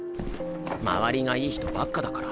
周りが良い人ばっかだから。